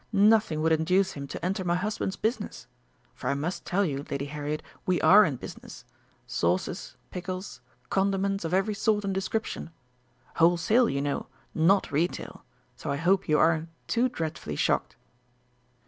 Nothing would induce him to enter my husband's business for I must tell you, Lady Harriet, we are in business. Sauces, pickles, condiments of every sort and description wholesale, you know, not retail, so I hope you aren't too dreadfully shocked!"